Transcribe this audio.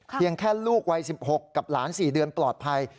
แค่ลูกวัย๑๖กับหลาน๔เดือนปลอดภัย